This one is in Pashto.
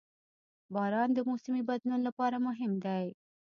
• باران د موسمي بدلون لپاره مهم دی.